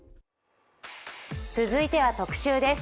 続いては特集です。